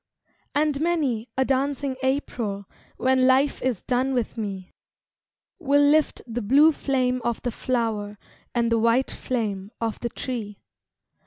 And many a dancing April When life is done with me, Will lift the blue flame of the flower And the white flame of the tree.